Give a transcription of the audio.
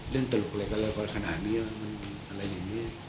เล่นตลกอะไรกันแล้วก่อนขนาดนี้มันอะไรอย่างนี้